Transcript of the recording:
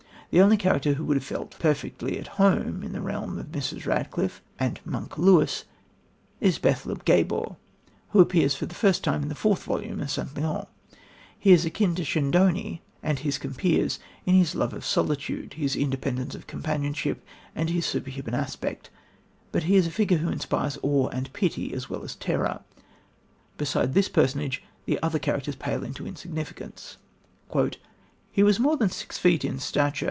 The only character who would have felt perfectly at home in the realm of Mrs. Radcliffe and "Monk" Lewis is Bethlem Gabor, who appears for the first time in the fourth volume of St. Leon. He is akin to Schedoni and his compeers in his love of solitude, his independence of companionship, and his superhuman aspect, but he is a figure who inspires awe and pity as well as terror. Beside this personage the other characters pale into insignificance: "He was more than six feet in stature